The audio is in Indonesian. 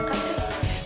gak diangkat sih